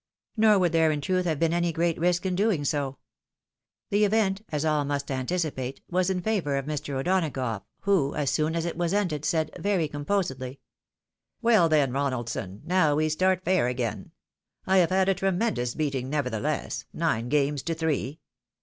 Nor would there in truth have been any great risk in doing so. The event, as all must anticipate, was in favour of Mr. O'Donagough, who, as soon as it was ended, said, very composedly —" Well, then, Roualdson, now we start fair again. I have had a tremendous beating, nevertheless — nine games to three.